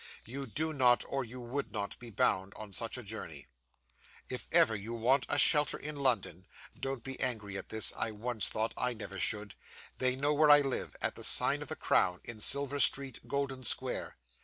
You do not, or you would not be bound on such a journey. If ever you want a shelter in London (don't be angry at this, I once thought I never should), they know where I live, at the sign of the Crown, in Silver Street, Golden Square.